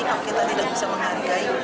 kalau kita tidak bisa menghargai